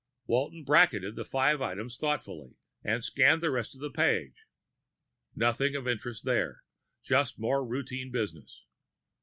Walton bracketed the five items thoughtfully, and scanned the rest of the page. Nothing of interest there, just more routine business.